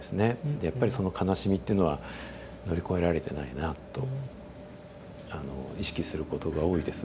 でやっぱりその悲しみっていうのは乗り越えられてないなとあの意識することが多いです。